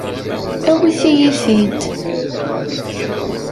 Awit-iyi-t-id.